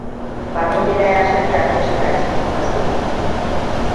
Babangida ya shirya don shiga cikin madauki.